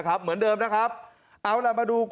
ขอเลื่อนสิ่งที่คุณหนูรู้สึก